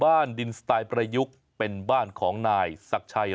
ตามแนวทางศาสตร์พระราชาของในหลวงราชการที่๙